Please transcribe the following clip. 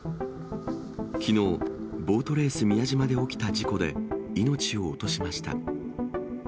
きのう、ボートレース宮島で起きた事故で、命を落としました。